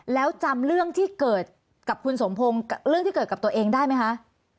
แล้วจำเรื่องที่เกิดกับคุณสมพงศ์เรื่องที่เกิดกับตัวเองได้ไหมคะ